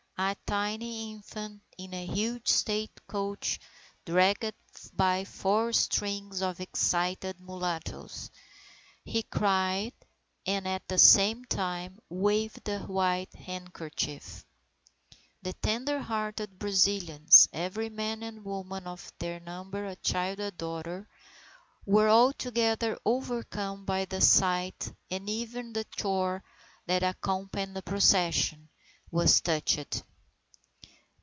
A tiny infant in a huge state coach, dragged by four strings of excited mulattoes! He cried, and at the same time waved a white handkerchief. The tender hearted Brazilians, every man and woman of their number a child adorer, were altogether overcome by the sight, and even the choir that accompanied the procession, was touched.